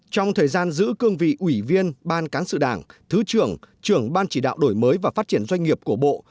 trong thời gian giữ cương vị ủy viên ban cán sự đảng thứ trưởng trưởng ban chỉ đạo đổi mới và phát triển doanh nghiệp của bộ